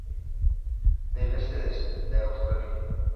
Del este de Australia.